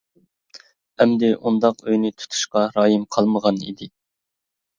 ئەمدى ئۇنداق ئۆينى تۇتۇشقا رايىم قالمىغان ئىدى.